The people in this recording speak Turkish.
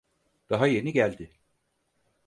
Daha yeni geldi.